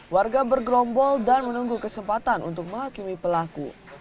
warga bergelombol dan menunggu kesempatan untuk melakimi pelaku